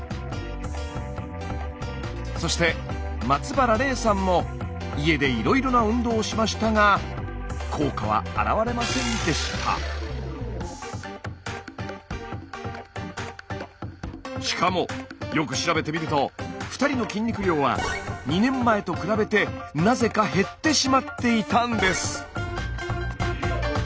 そして松原黎さんも家でいろいろな運動をしましたがしかもよく調べてみると２人の筋肉量は２年前と比べてなぜか減ってしまっていたんです。